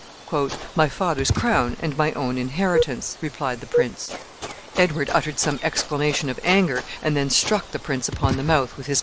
"My father's crown and my own inheritance," replied the prince. Edward uttered some exclamation of anger, and then struck the prince upon the mouth with his gauntlet.